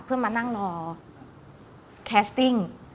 เพื่อมานั่งรอแคสติ้ง